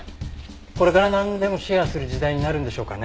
これからなんでもシェアする時代になるんでしょうかね。